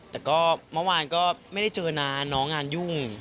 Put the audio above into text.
แต่ก็เมื่อวานก็ไม่ได้เจอนานน้องงานยุ่ง